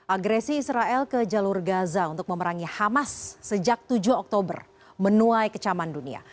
agresi israel ke jalur gaza untuk memerangi hamas sejak tujuh oktober menuai kecaman dunia